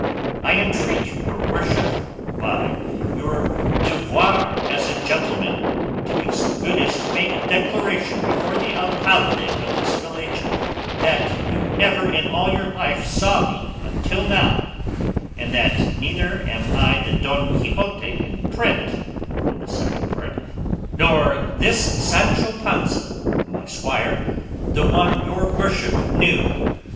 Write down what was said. I entreat your worship by your devoir as a gentleman to be so good as to make a declaration before the alcalde of this village that you never in all your life saw me until now, and that neither am I the Don Quixote in print in the Second Part, nor this Sancho Panza, my squire, the one your worship knew."